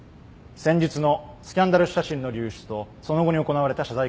先日のスキャンダル写真の流出とその後に行われた謝罪会見